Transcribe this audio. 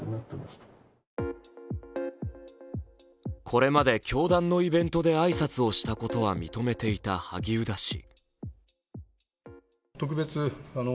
これまで教団のイベントで挨拶をしたことは認めていた萩生田氏。